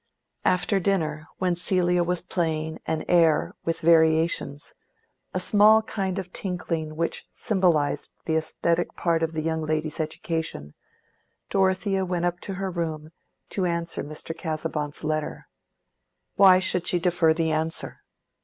After dinner, when Celia was playing an "air, with variations," a small kind of tinkling which symbolized the aesthetic part of the young ladies' education, Dorothea went up to her room to answer Mr. Casaubon's letter. Why should she defer the answer?